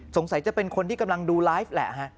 สงสัยจะเป็นคนที่กำลังดูไลฟ์แหละ